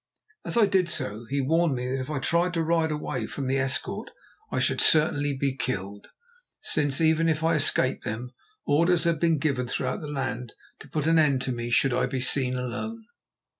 As I did so, he warned me that if I tried to ride away from the escort I should certainly be killed, since even if I escaped them, orders had been given throughout the land to put an end to me should I be seen alone.